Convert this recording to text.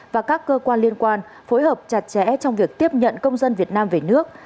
và các cơ quan liên quan phối hợp chặt chẽ trong việc tiếp nhận công dân việt nam về nước